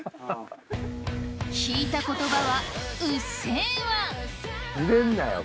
引いた言葉は「うっせぇわ」。